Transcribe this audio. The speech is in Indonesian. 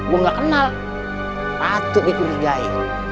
gue gak kenal patut dicurigai